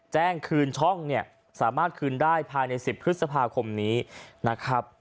แจ้งคืนช่องเนี่ยสามารถคืนได้ภายใน๑๐พฤษภาคมนี้นะครับ